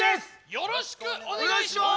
よろしくお願いします！